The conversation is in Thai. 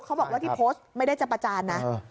เขาบอกว่าที่โพสต์ไม่ได้จะประจานนะ